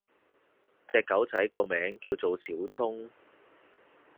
隻狗仔個名叫做小聰